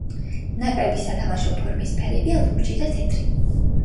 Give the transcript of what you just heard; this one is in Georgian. ნაკრების სათამაშო ფორმის ფერებია ლურჯი და თეთრი.